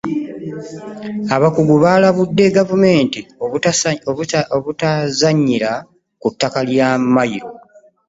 Abakugu balabudde gavumenti obutazannyira ku ttaka lya mayiro.